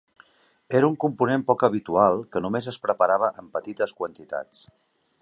Era un component poc habitual que només es preparava en petites quantitats.